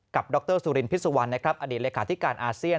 กับดรสุรินพิสุวรรณอดีตเลขาธิการอาเซียน